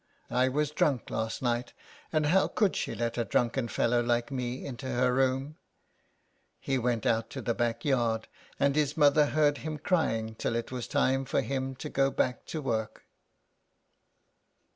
I was drunk last night, and how could she let a drunken fellow like me into her room." He went out to the back yard, and his mother heard him crying till it was time for him to go back to work.